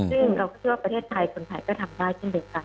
ซึ่งเราคิดว่าประเทศไทยคนไทยก็ทำได้เช่นเดียวกัน